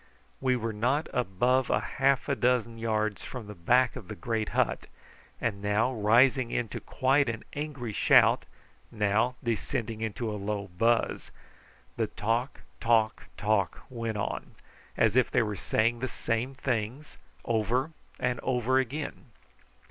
We were not above half a dozen yards from the back of the great hut; and, now rising into quite an angry shout, now descending into a low buzz, the talk, talk, talk went on, as if they were saying the same things over and over again.